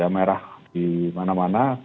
merah di mana mana